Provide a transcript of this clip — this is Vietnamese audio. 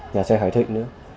nhà xe hải thịnh nữa